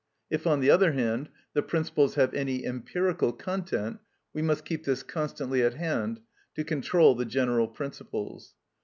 If, on the other hand, the principles have any empirical content, we must keep this constantly at hand, to control the general principles.